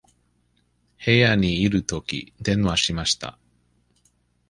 部屋にいるとき、電話しました。